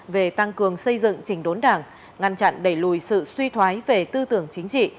về tăng cường xây dựng trình đốn đảng ngăn chặn đẩy lùi sự suy thoái về tư tưởng chính trị